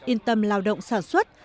yên tâm lao động sản xuất